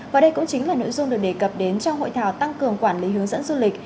và đây cũng chính là nội dung được đề cập đến trong hội thảo tăng cường quản lý hướng dẫn du lịch